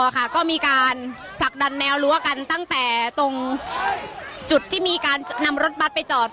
ก็มีการผลักดันแนวรั้วกันตั้งแต่ตรงจุดที่มีการนำรถบัตรไปจอด